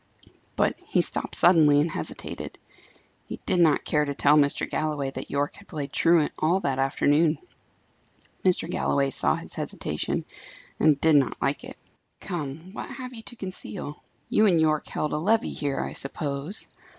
But he stopped suddenly and hesitated. He did not care to tell Mr. Galloway that Yorke had played truant all that afternoon. Mr. Galloway saw his hesitation, and did not like it. "Come, what have you to conceal? You and Yorke held a levee here, I suppose?